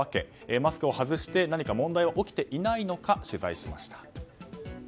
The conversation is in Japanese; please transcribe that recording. マスクを外して何か問題が起きていないのか取材しました。